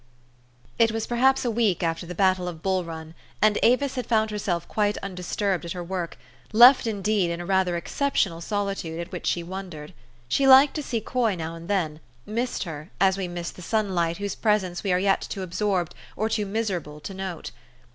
It was perhaps a week after the battle of Bull Run, and Avis had found herself quite undisturbed at her work, left, indeed, in a rather exceptional solitude, at which she wondered. She liked to see Coy now and then ; missed her, as we miss the sun light whose presence we are yet too absorbed, or too miserable, to note.